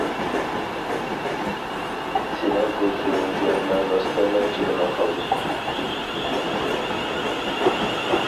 سېنىڭ بۇ سۆزۈڭگە مەن راستتىنلا چىدىماي قالدىم.